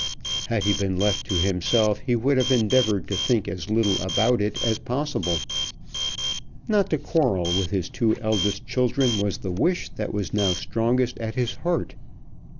Had he been left to himself he would have endeavoured to think as little about it as possible. Not to quarrel with his two eldest children was the wish that was now strongest at his heart.